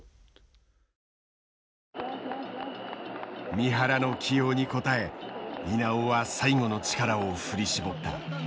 三原の起用に応え稲尾は最後の力を振り絞った。